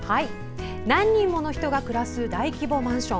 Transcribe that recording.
何人もの人が暮らす大規模マンション。